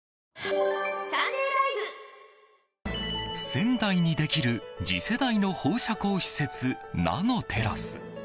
仙台にできる次世代の放射光施設ナノテラス。